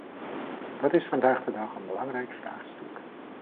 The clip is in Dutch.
Dat is vandaag de dag een belangrijk vraagstuk.